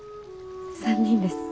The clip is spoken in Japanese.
３人です。